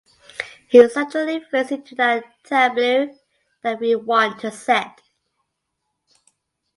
He certainly fits into that tableau that we want to set.